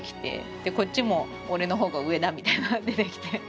こっちも俺の方が上だみたいな出てきて。